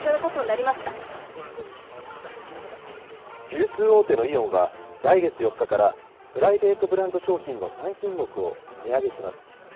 流通大手のイオンは来月４日から、プライベートブランド商品の３品目を値上げします。